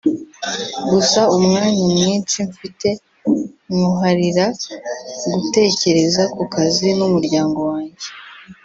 gusa umwanya mwinshi mfite nywuharira gutekereza ku kazi n’umuryango wanjye